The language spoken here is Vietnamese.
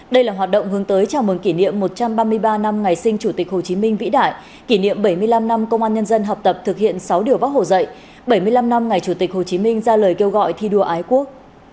đây là hoạt động hướng tới chào mừng kỷ niệm một trăm ba mươi ba năm ngày sinh chủ tịch hồ chí minh vĩ đại kỷ niệm bảy mươi năm năm công an nhân dân học tập thực hiện sáu điều bác hồ dạy bảy mươi năm năm ngày chủ tịch hồ chí minh ra lời kêu gọi thi đua ái quốc